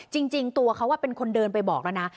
จริงตัวเขาเป็นคนเดินไปบอกแล้วนะ